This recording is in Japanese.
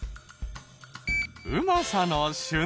うまさの旬